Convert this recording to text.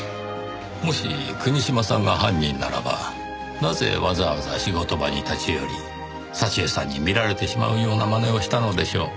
もし国島さんが犯人ならばなぜわざわざ仕事場に立ち寄り佐知江さんに見られてしまうようなまねをしたのでしょう？